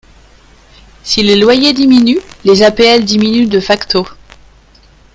Si les loyers diminuent, les APL diminuent de facto.